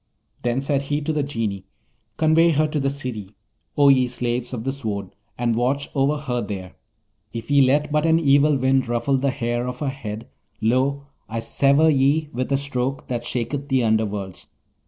Then said he to the Genii, 'Convey her to the City, O ye slaves of the Sword, and watch over her there. If ye let but an evil wind ruffle the hair of her head, lo! I sever ye with a stroke that shaketh the under worlds.